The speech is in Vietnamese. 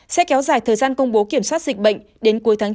sẽ kéo dài thời gian công bố kiểm soát dịch bệnh đến cuối tháng chín